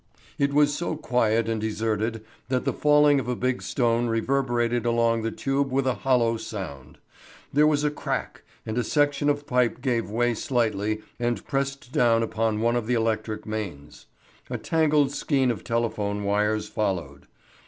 It was so quiet and deserted that the falling of a big stone reverberated along the tube with a hollow sound. There was a crack, and a section of piping gave way slightly and pressed down upon one of the electric mains. A tangled skein of telephone wires followed.